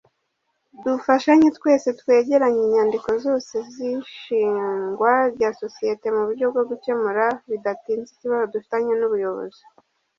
Dufashanye twese twegeranye inyandiko zose z’ ishingwa rya sosiyete mu buryo bwo gukemura bidatinze ikibazo dufitanye n’ubuyobozi.